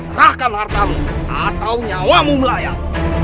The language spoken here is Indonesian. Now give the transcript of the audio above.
serahkan hartamu atau nyawamu melayang